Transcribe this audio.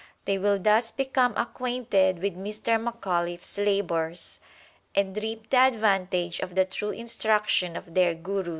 They will thus become acquainted with Mr. Macauliffe s labours, and reap the advantage of the true instruction of their Gurus.